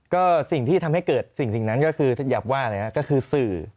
ก็สิ่งที่ทำให้เกิดสิ่งนั้นก็คืออย่าว่านะครับก็คือสื่อ